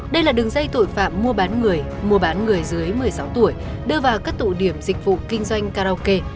đây là đường dây tội phạm mua bán người mua bán người dưới một mươi sáu tuổi đưa vào các tụ điểm dịch vụ kinh doanh karaoke